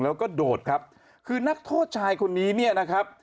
แล้วก็โดดครับคือนักโทษชายคนนี้เนี่ยนะครับ